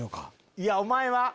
いやお前は。